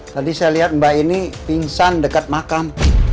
tadi saya lihat mbak ini pingsan dekat makam